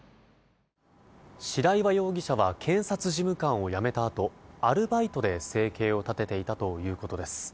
白岩容疑者は検察事務官を辞めたあとアルバイトで生計を立てていたということです。